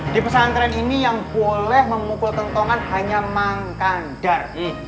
di pesantren ini yang boleh memukul kentongan hanya mangkandar